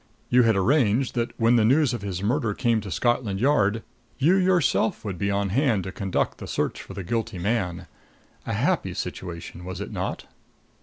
You had arranged that when the news of his murder came to Scotland Yard you yourself would be on hand to conduct the search for the guilty man. A happy situation, was it not?"